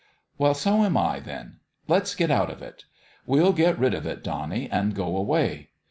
Well, so am I, then. Let's get out of it. We'll get rid of it, Donnie, and go away.